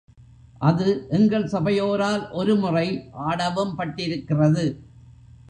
அது எங்கள் சபையோரால் ஒரு முறை ஆடவும் பட்டிருக்கிறது.